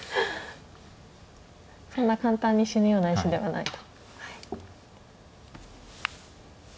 そんな簡単に死ぬような石ではないと。